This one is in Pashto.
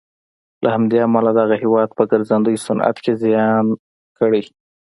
له همدې امله دغه هېواد په ګرځندوی صنعت کې زیان کړی.